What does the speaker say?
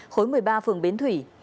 khối một mươi ba phường bến thủy